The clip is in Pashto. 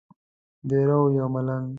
دیره وو یو ملنګ.